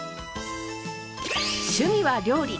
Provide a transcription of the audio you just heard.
趣味は料理。